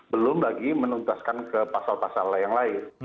belum lagi menuntaskan ke pasal pasal yang lain